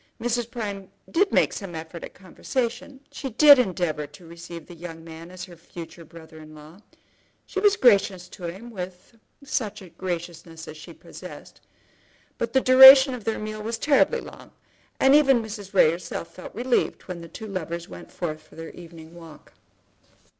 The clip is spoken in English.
Mrs. Prime did make some effort at conversation; she did endeavour to receive the young man as her future brother in law; she was gracious to him with such graciousness as she possessed; but the duration of their meal was terribly long, and even Mrs. Ray herself felt relieved when the two lovers went forth together for their evening walk.